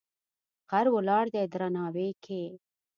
غر ولاړ دی درناوی کې.